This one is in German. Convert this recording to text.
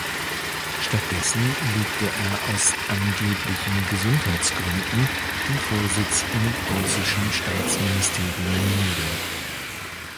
Stattdessen legte er aus angeblichen Gesundheitsgründen den Vorsitz im preußischen Staatsministerium nieder.